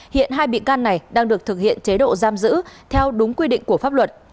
hiện hai bị can này đang được thực hiện chế độ giam giữ theo đúng quy định của pháp luật